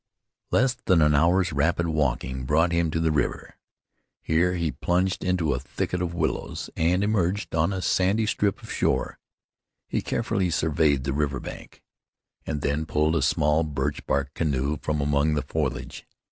Less than an hour's rapid walking brought him to the river. Here he plunged into a thicket of willows, and emerged on a sandy strip of shore. He carefully surveyed the river bank, and then pulled a small birch bark canoe from among the foliage.